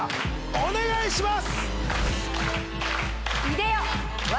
お願いします！